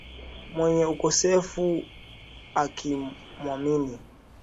Mwenye ukosefu akimwamini